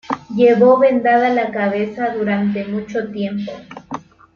Llevó vendada la cabeza durante mucho tiempo.